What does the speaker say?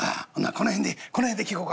この辺でこの辺で聞こか」。